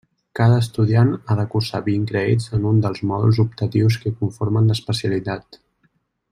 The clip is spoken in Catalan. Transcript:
Cada estudiant ha de cursar vint crèdits en un dels mòduls optatius que conformen l'especialitat.